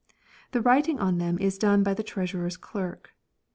The writing on them is done by the Treasurer's clerk.